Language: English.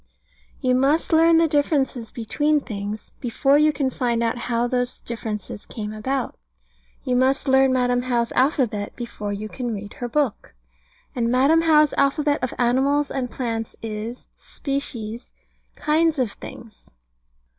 You must learn the differences between things, before you can find out how those differences came about. You must learn Madam How's alphabet before you can read her book. And Madam How's alphabet of animals and plants is, Species, Kinds of things.